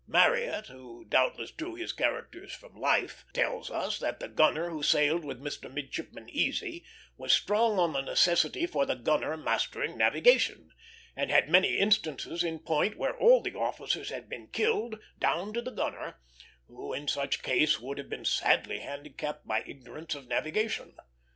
Marryat, who doubtless drew his characters from life, tells us that the gunner who sailed with Mr. Midshipman Easy was strong on the necessity for the gunner mastering navigation, and had many instances in point where all the officers had been killed down to the gunner, who in such case would have been sadly handicapped by ignorance of navigation.